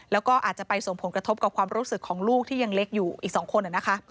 แล้วก็อาจจะไปส่งผลกระทบกับความรู้สึกของลูกที่ยังเล็กอยู่อีก๒คนนะคะ